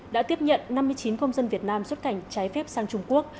đã tiếp nhận năm mươi chín công dân việt nam xuất cảnh trái phép sang trung quốc